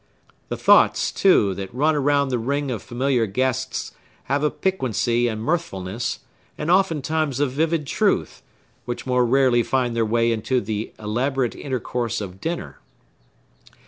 The thoughts, too, that run around the ring of familiar guests have a piquancy and mirthfulness, and oftentimes a vivid truth, which more rarely find their way into the elaborate intercourse of dinner.